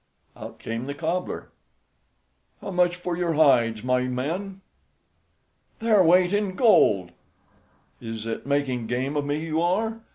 Out came the cobbler: "How much for your hides, my men?" "Their weight in gold." "Is it making game of me you are?